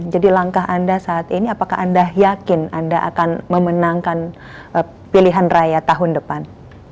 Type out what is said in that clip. jadi langkah anda saat ini apakah anda yakin anda akan memenangkan pilihan raya tahun depan